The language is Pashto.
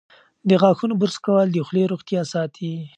د غاښونو برس کول د خولې روغتیا ساتي.